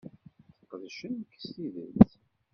Sqedcen-k s tidet.